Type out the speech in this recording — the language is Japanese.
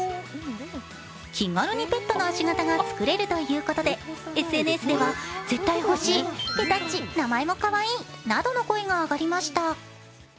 気軽にペットの足形が作れるということでＳＮＳでは絶対欲しい、ぺたっち、名前もかわいいなどの声があがりました。